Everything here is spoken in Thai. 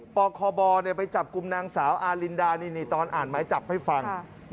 คบไปจับกลุ่มนางสาวอารินดานี่ตอนอ่านไม้จับให้ฟัง